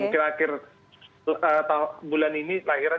mungkin akhir bulan ini lahiran